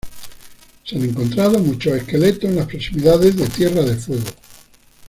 Se han encontrado muchos esqueletos en las proximidades de Tierra del Fuego.